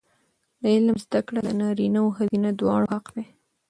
د علم زده کړه د نارینه او ښځینه دواړو حق دی.